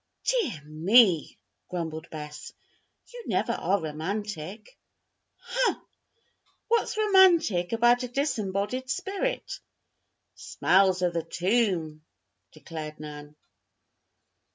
"Dear me!" grumbled Bess, "you never are romantic." "Humph! what's romantic about a disembodied spirit? Smells of the tomb!" declared Nan.